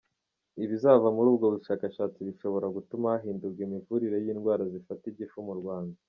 Ibizava muri ubwo bushakashatsi bishobora gutuma hahindurwa imivurire y’indwara zifata igifu mu Rwanda.